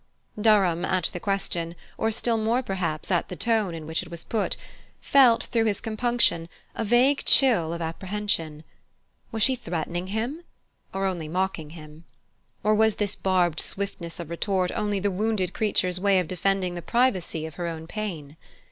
Durham, at the question, or still more, perhaps, at the tone in which it was put, felt, through his compunction, a vague faint chill of apprehension. Was she threatening him or only mocking him? Or was this barbed swiftness of retort only the wounded creature's way of defending the privacy of her own pain?